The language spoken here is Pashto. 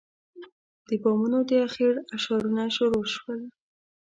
د بامونو د اخېړ اشارونه شروع شول.